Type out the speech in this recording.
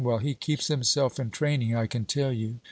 Well, he keeps himself in training, I can tell you.'